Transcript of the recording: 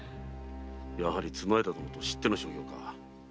やはり綱條殿と知っての所業か。